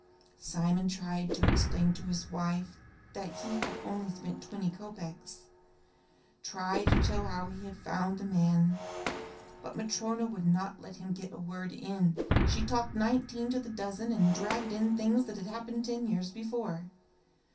Simon tried to explain to his wife that he had only spent twenty kopeks; tried to tell how he had found the man but Matryona would not let him get a word in. She talked nineteen to the dozen, and dragged in things that had happened ten years before.